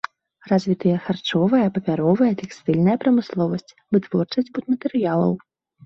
Развітыя харчовая, папяровая, тэкстыльная прамысловасць, вытворчасць будматэрыялаў.